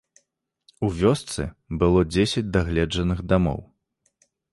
У вёсцы было дзесяць дагледжаных дамоў.